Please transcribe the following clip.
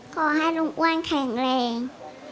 ขอให้ลุงอ้วนแข็งแรง